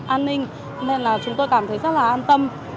an ninh nên là chúng tôi cảm thấy rất là an tâm